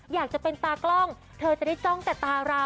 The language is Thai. อยากจะเป็นตากล้องเธอจะได้จ้องแต่ตาเรา